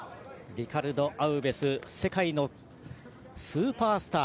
リカルド・アウベス世界のスーパースター。